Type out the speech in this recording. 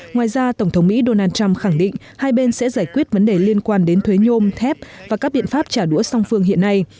ngoài ra tổng thống mỹ donald trump khẳng định hai bên sẽ giải quyết vấn đề liên quan đến thuế nhôm thép và các biện pháp trả đũa song phương hiện nay